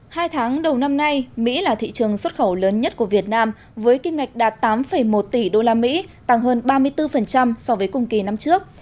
hai tháng đầu năm nay mỹ là thị trường xuất khẩu lớn nhất của việt nam với kim ngạch đạt tám một tỷ usd tăng hơn ba mươi bốn so với cùng kỳ năm trước